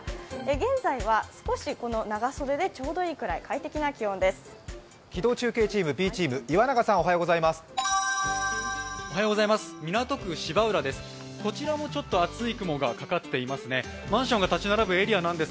現在は長袖でちょうどいいくらい快適な中継です。